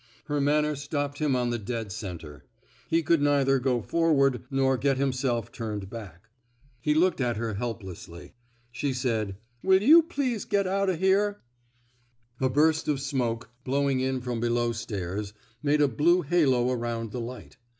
Her manner stopped him on the dead center. He could neither go forward nor get himself turned back. He looked at her 106 PRIVATE MORPHY'S ROMANCE helplessly. She said: Will you please get out o' here? '* A burst of smoke, blowing in from below stairs, made a blue halo around the light.